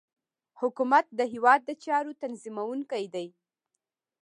حکومت د هیواد د چارو تنظیمونکی دی